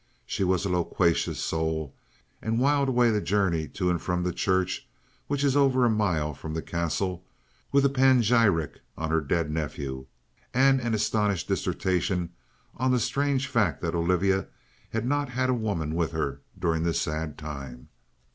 She was a loquacious soul, and whiled away the journey to and from the church, which is over a mile from the Castle, with a panegyric on her dead nephew, and an astonished dissertation on the strange fact that Olivia had not had a woman with her during this sad time.